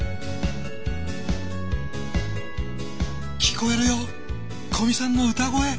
聴こえるよ古見さんの歌声！